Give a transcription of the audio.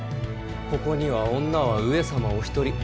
ここには女は上様お一人。